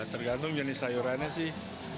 tergantung jenis sayurannya sih